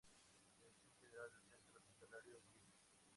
Dirección General del Centro Hospitalario: Lic.